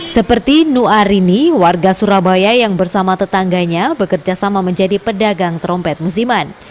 seperti nuarini warga surabaya yang bersama tetangganya bekerjasama menjadi pedagang trompet musiman